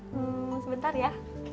hmm sebentar ya